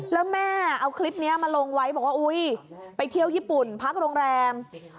แล้วแม่เอาคลิปนี้มาลงไว้บอกว่าอุ๊ยไปเที่ยวญี่ปุ่นพักโรงแรม